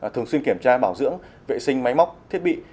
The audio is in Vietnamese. thường xuyên kiểm tra bảo dưỡng vệ sinh máy móc thiết bị